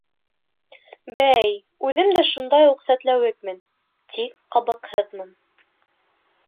Бәй, үҙем дә шундай уҡ сәтләүекмен, тик ҡабыҡһыҙмын.